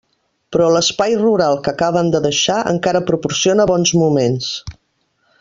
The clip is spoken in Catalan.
Però l'espai rural que acaben de deixar encara proporciona bons moments.